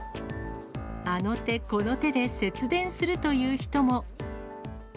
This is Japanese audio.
あの手この手で節電するという人も。